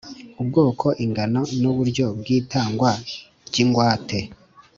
Ubwoko ingano n uburyo bw itangwa ry ingwate